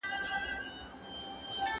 ¬ سترگي له سترگو بېرېږي.